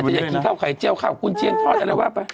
เออเมื่อไหร่จะอยากกินข้าวไข่เจี๊ยวข้าวคุณเชียงทอดอะไรวะไป